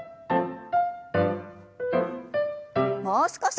もう少し。